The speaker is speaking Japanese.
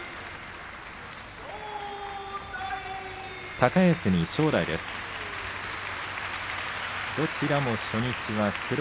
高安に正代です、土俵上。